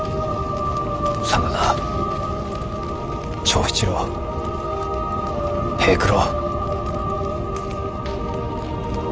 真田長七郎平九郎。